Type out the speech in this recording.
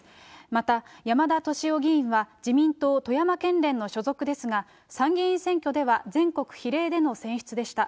また、山田俊男議員は、自民党富山県連の所属ですが、参議院選挙では全国比例での選出でした。